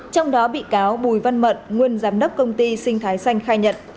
trong đó bị cáo bùi văn mận nguyên giám đốc công ty sinh thái xanh khai nhận